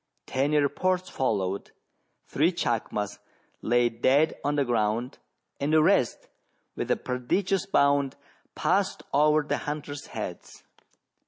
Ten reports followed : three chacmas lay dead on the ground, and the rest, with a prodigious bound, passed over the hunters' heads.